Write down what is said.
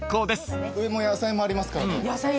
上も野菜もありますからね。